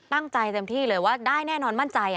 เต็มที่เลยว่าได้แน่นอนมั่นใจ